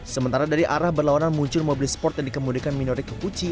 sementara dari arah berlawanan muncul mobil sport yang dikemudikan minorke huchi